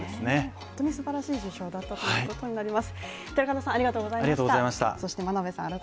本当にすばらしい受賞だったことになります。